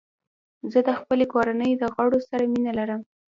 زه د خپلې کورنۍ د غړو سره مینه لرم.